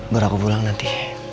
baru aku pulang nanti